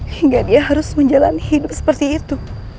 hingga dia harus menjalani hidup seperti itu